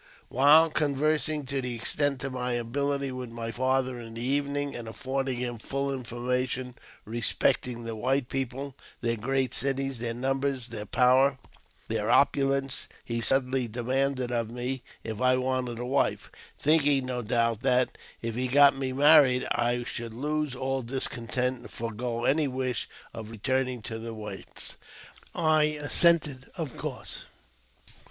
134 AUTOBIOGBAPHY OF While conversing to the extent of my ability with my father in the evening, and affording him full information respecting the v^hite people, their great cities, their numbers, their powder, their opulence, he suddenly demanded of me if I wanted a wife ; thinking, no doubt, that, if he got me married, I should lose all discontent, and forego any wish of returning to the whites. I assented, of course.